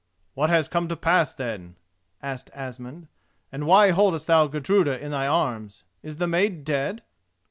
"What has come to pass, then?" asked Asmund, "and why holdest thou Gudruda in thy arms? Is the maid dead?"